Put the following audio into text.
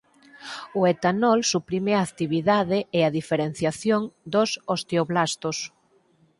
O etanol suprime a actividade e a diferenciación dos osteoblastos.